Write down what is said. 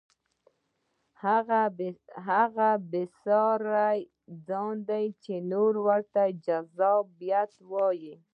هغه بې ساري ځان دی چې نور ورته جذابیت وایي.